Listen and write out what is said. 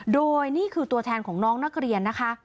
โดยนี่คือตัวแทนของน้องนักเรียนนะคะ